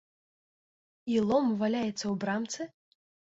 І лом валяецца ў брамцы?